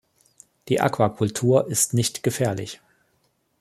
Die Aquakultur ist nicht gefährlich.